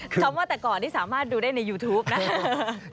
คำว่าแต่ก่อนนี่สามารถดูได้ในยูทูปนะ